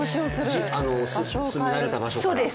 住み慣れた場所から？